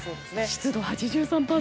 湿度８３％。